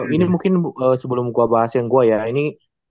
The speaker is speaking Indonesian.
ini mungkin sebelum gue bahas yang gue ya ini